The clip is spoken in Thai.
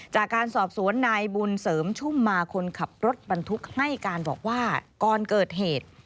จากการสอบสวนนายบุญเสริมชุ่มมาคนขับรถบรรทุกให้การบอกว่าก่อนเกิดเหตุ